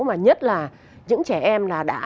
mà nhất là những trẻ em đã bị